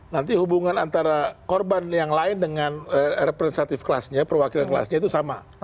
nanti hubungan antara korban yang lain dengan representatif kelasnya perwakilan kelasnya itu sama